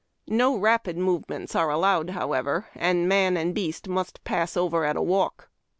No rapid movements are allowed, however, and man and beast must pass over at a walk.